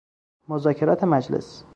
مذاکرات مجلس